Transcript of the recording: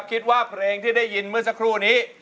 คิดว่าเพลงที่ได้ยินเมื่อสักครู่นี้